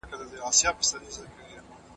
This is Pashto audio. څوک د طلاق پريکړه کولای سي؟